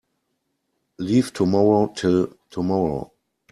Leave tomorrow till tomorrow.